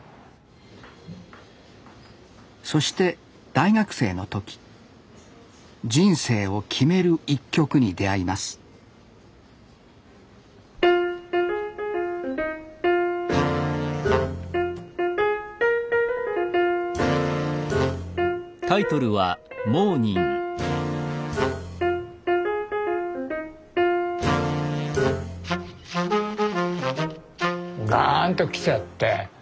そして大学生の時人生を決める一曲に出会いますガーンと来ちゃって。